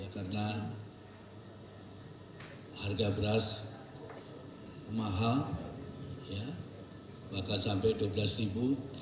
karena harga beras mahal bahkan sampai rp dua belas